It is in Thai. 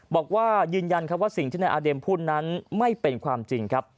บอกว่ายืนยันครับว่าสิ่งที่นายอาเด็มพูดนั้นไม่เป็นความจริงครับ